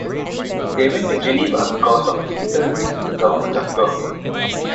They went to Geneva because of difficulties with the government of Berne.